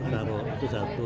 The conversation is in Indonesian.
ditaruh itu satu